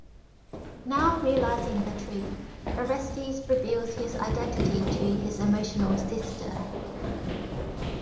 Now realizing the truth, Orestes reveals his identity to his emotional sister.